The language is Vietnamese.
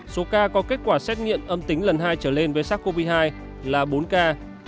số ca có kết quả xét nghiệm âm tính lần hai trở lên với sars cov hai là bốn ca